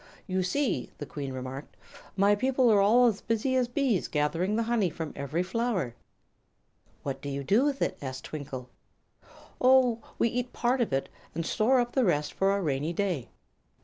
"You see," the Queen remarked, "my people are all as busy as bees gathering the honey from every flower." "What do you do with it?" asked Twinkle. "Oh, we eat part of it, and store up the rest for a rainy day."